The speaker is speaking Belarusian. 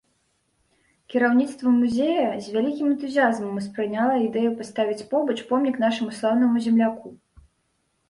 Кіраўніцтва музея з вялікім энтузіязмам успрыняла ідэю паставіць побач помнік нашаму слаўнаму земляку.